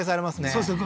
そうですね